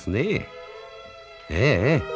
ええええ